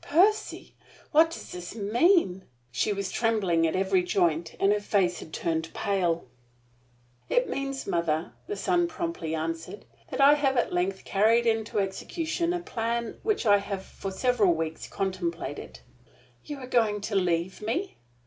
"Percy! What does this mean?" She was trembling at every joint, and her face had turned pale. "It means, mother," the son promptly answered, "that I have at length carried into execution a plan which I have for several weeks contemplated." "You're going to leave me?"